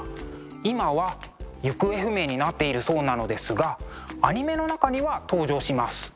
今は行方不明になっているそうなのですがアニメの中には登場します。